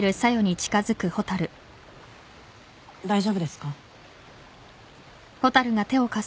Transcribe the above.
大丈夫ですか？